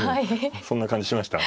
そんな感じしました？